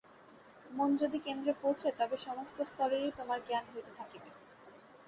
মন যদি কেন্দ্রে পৌঁছে, তবে সমস্ত স্তরেরই তোমার জ্ঞান হইতে থাকিবে।